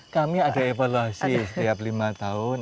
kami ada evaluasi setiap lima tahun